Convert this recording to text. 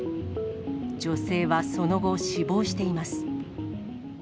女性はその後、死亡しています。